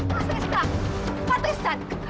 pak tristan pak tristan